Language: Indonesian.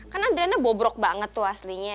kan adriana bobrok banget tuh aslinya